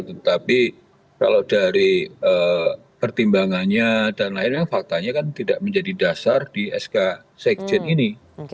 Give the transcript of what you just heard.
tetapi kalau dari pertimbangannya dan lain lain faktanya kan tidak menjadi dasar di sk sekjen ini